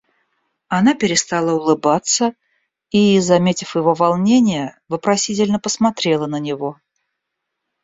Она перестала улыбаться и, заметив его волнение, вопросительно посмотрела на него.